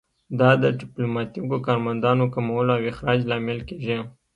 دا د ډیپلوماتیکو کارمندانو کمولو او اخراج لامل کیږي